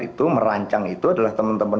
itu merancang itu adalah teman teman